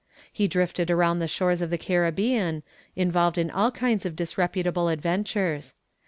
He drifted around the shores of the Caribbean, involved in all kinds of disreputable adventures.